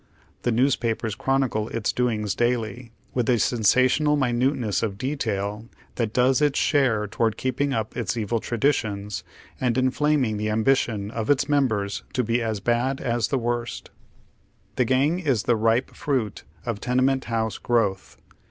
The newspapers chron icle its doings daily, with a sensational minuteness of de tail tliat does its share toward keeping up its evil tradi tions and inflaming the ambition of its members to be as bad as the worst. The gang is the ripe fruit of tenement house growth.